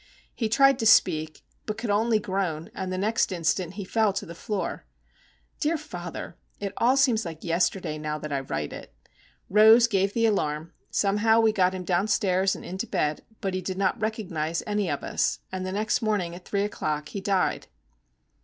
He tried to speak, but could only groan, and the next instant he fell to the floor. Dear father! it all seems like yesterday, now that I write it. Rose gave the alarm. Somehow we got him downstairs and into bed; but he did not recognise any of us, and the next morning at three o'clock he died.